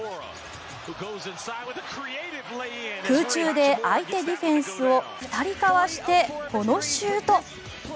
空中で相手ディフェンスを２人かわして、このシュート。